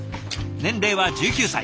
年齢は１９歳。